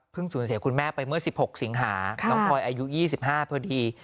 เพิ่งสูญเสียคุณแม่ไปเมื่อสิบหกสิงหาค่ะน้องพลอยอายุยี่สิบห้าพอดี